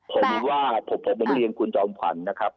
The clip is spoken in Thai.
ผมว่าขอพบกันการเรียนคุณจอมขวัญครับ